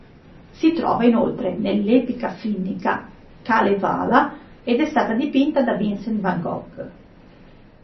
Si trova inoltre nell'epica finnica "Kalevala" ed è stata dipinta da Vincent van Gogh.